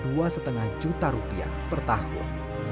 dan biaya sewa dua lima juta rupiah per tahun